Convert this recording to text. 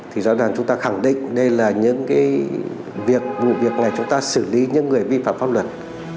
thì rõ ràng chúng ta khẳng định đây là những cái việc vụ việc này chúng ta xử lý những người vi phạm pháp luật